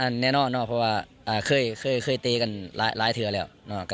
แน่นอนเนอะเพราะว่าเคยตีกันร้ายเธอแล้ว